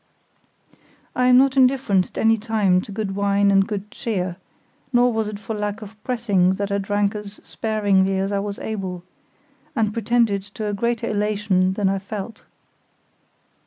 I am not indifferent at any time to good wine and good cheer, nor was it for lack of pressing that I drank as sparingly as I was able, and pretended to a greater elation than I felt.